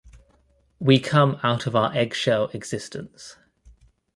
We come out of our eggshell existence.